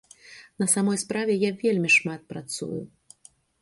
На самой справе, я вельмі шмат працую.